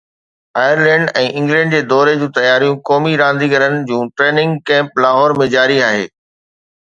Ireland ۽ England جي دوري جون تياريون، قومي رانديگرن جو ٽريننگ ڪيمپ لاهور ۾ جاري آهي